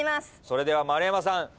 それでは丸山さん